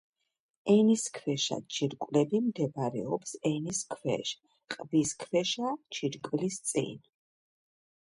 ენისქვეშა ჯირკვლები მდებარეობს ენის ქვეშ, ყბისქვეშა ჯირკვლის წინ.